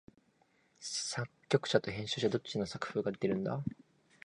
作曲者と編曲者、どっちの作風が出てるんだ？